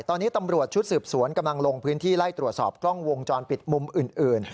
ตอนนี้ตำรวจชุดสืบสวนกำลังลงพื้นที่ไล่ตรวจสอบกล้องวงจรปิดมุมอื่น